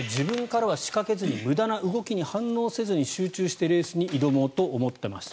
レース後、小山さんは自分からは仕掛けずに無駄な動きに反応せずに集中してレースに挑もうと思ってました。